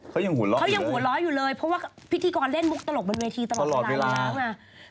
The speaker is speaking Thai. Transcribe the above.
เขายังหัวเราะอยู่เลยเพราะว่าพิธีกรเล่นมุกตลกเป็นเวทีตลอดเวลานะครับนะครับเขายังหัวเราะอยู่เลย